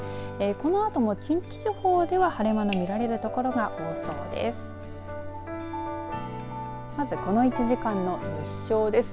このあとも近畿地方では晴れ間が見られ所がありそうです。